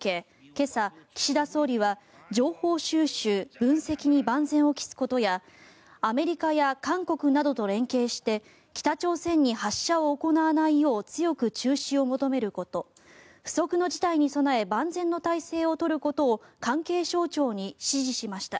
今朝、岸田総理は情報収集・分析に万全を期すことやアメリカや韓国などと連携して北朝鮮に発射を行わないよう強く中止を求めること不測の事態に備え万全の態勢を取ることを関係省庁に指示しました。